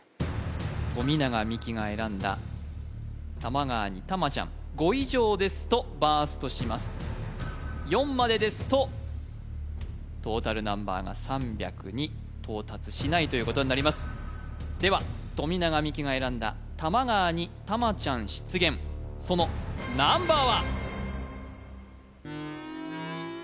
富永美樹が選んだ多摩川に「タマちゃん」４までですとトータルナンバーが３００に到達しないということになりますでは富永美樹が選んだ多摩川に「タマちゃん」出現そのナンバーは？